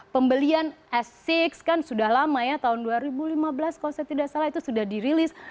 pembelian s enam kan sudah lama ya tahun dua ribu lima belas kalau saya tidak salah itu sudah dirilis